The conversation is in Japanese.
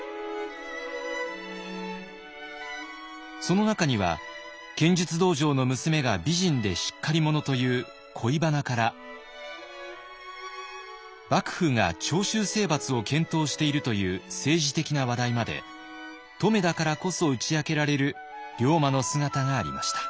その中には剣術道場の娘が美人でしっかり者という恋バナから幕府が長州征伐を検討しているという政治的な話題まで乙女だからこそ打ち明けられる龍馬の姿がありました。